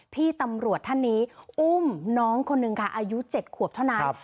พี่ตำรวจท่านนี้อุ้มน้องคนหนึ่งค่ะอายุ๗ขวบเท่านั้น